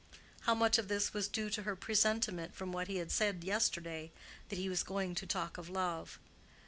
How much of this was due to her presentiment from what he had said yesterday that he was going to talk of love?